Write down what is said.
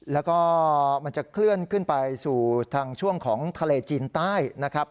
แล้วก็มันจะเคลื่อนขึ้นไปสู่ทางช่วงของทะเลจีนใต้นะครับ